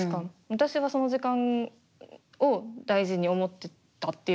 私がその時間を大事に思ってたっていうか